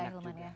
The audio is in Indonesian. gak enak juga